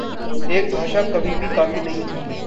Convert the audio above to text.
एक भाषा कभी भी काफ़ी नहीं होगी।